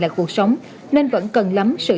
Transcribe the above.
lại cuộc sống nên vẫn cần lắm sự